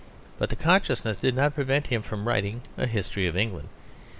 But the consciousness did not prevent him from writing a History of England.